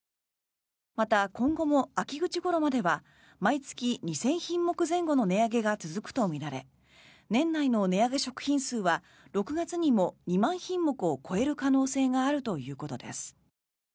また、今後も秋口ごろまでは毎月、２０００品目前後の値上げが続くとみられ年内の値上げ食品数は６月にも２万品目を超える可能性があるということです。